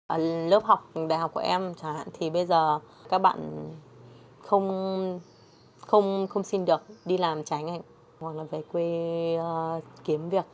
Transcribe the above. ở lớp học đại học của em chẳng hạn thì bây giờ các bạn không xin được đi làm tránh hoặc là về quê kiếm việc